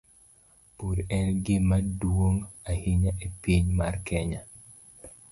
Pur en gima duong ahinya e piny mar Kenya.